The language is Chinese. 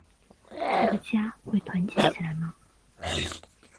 这个家会团结起来呢？